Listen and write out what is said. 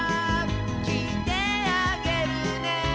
「きいてあげるね」